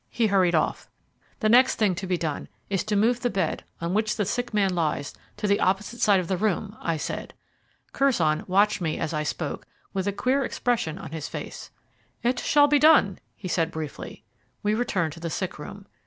He hurried off. "The next thing to be done is to move the bed on which the sick man lies to the opposite side of the room," I said. Curzon watched me as I spoke, with a queer expression on his face. "It shall be done," he said briefly. We returned to the sick room.